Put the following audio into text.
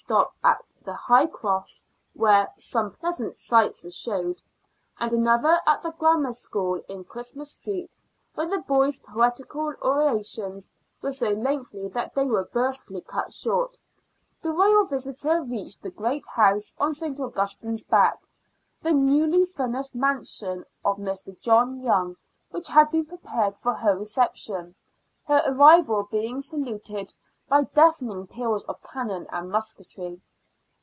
61 stop at the High Cross, where " some pleasant sights were showed," and another at the Grammar School in Christmas Street, where the boys' poetical orations were so lengthy that they were brusquely cut short, the Royal visitor reached the Great House on St. Augustine's Back, the newly finished mansion of Mr. John Young, which had been prepared for her reception, her arrival being saluted by deafening peals of cannon and musketry.